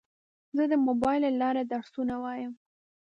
زه د موبایل له لارې درسونه وایم.